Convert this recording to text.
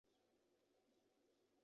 首府为拉加韦。